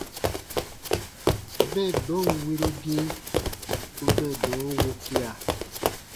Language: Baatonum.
Mɛnnɔn wirugii u mɛnnɔ wukia.